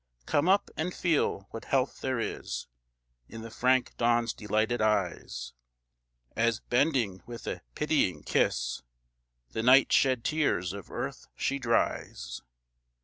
Come up, and feel what health there is In the frank Dawn's delighted eyes, As, bending with a pitying kiss, The night shed tears of Earth she dries!